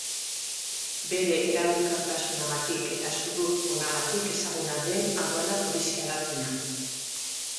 Bere eraginkortasunagatik eta sudur onagatik ezaguna den aduana-polizia da Tina.